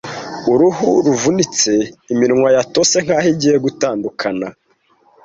Uruhu ruvunitse, iminwa yatose nkaho igiye gutandukana